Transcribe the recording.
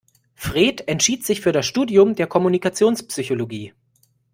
Fred entschied sich für das Studium der Kommunikationspsychologie.